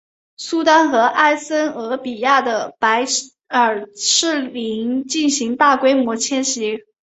苏丹和埃塞俄比亚的白耳赤羚进行大规模迁徙。